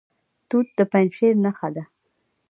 توت د پنجشیر نښه ده.